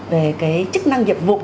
về cái chức năng nhiệm vụ